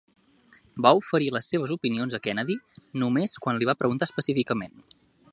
Va oferir les seves opinions a Kennedy només quan li va preguntar específicament.